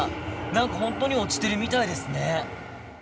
何か本当に落ちてるみたいですね。